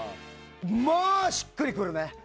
まあ、しっくりくるね。